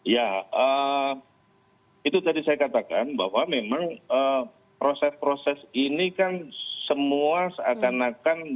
ya itu tadi saya katakan bahwa memang proses proses ini kan semua seakan akan